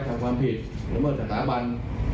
ทำความผิดละเมิดสถาบัน